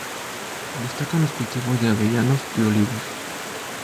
Destacan los cultivos de avellanos y olivos.